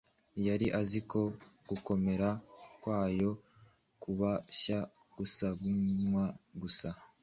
Yari azi ko gukomera kwayo kubasha gusanwa gusa